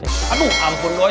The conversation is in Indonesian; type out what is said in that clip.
aduh ampun doi